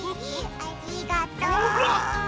ありがとう！ほら！